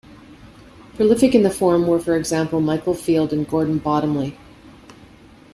Prolific in the form were, for example, Michael Field and Gordon Bottomley.